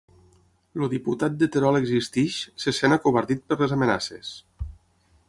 El diputat de Terol Existeix se sent acovardit per les amenaces